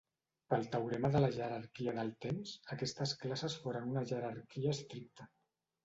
Pel teorema de la jerarquia del temps, aquestes classes formen una jerarquia estricta.